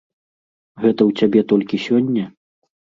Гэта ў цябе толькі сёння?